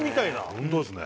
本当ですね。